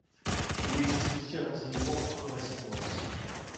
Il existe aussi un enseignement par correspondance.